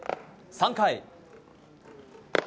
３回。